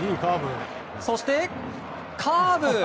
そして、カーブ。